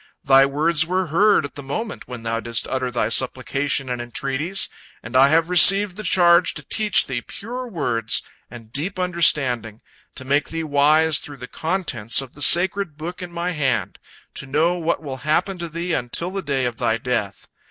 Thy words were heard at the moment when thou didst utter thy supplication and entreaties, and I have received the charge to teach thee pure words and deep understanding, to make thee wise through the contents of the sacred book in my hand, to know what will happen to thee until the day of thy death.